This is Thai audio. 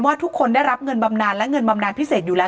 ทุกคนได้รับเงินบำนานและเงินบำนานพิเศษอยู่แล้ว